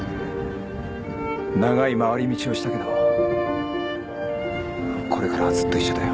長い回り道をしたけどこれからはずっと一緒だよ。